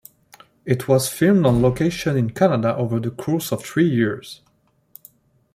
It was filmed on location in Canada over the course of three years.